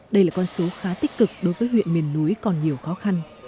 đây là con số khá tích cực đối với huyện miền núi còn nhiều khó khăn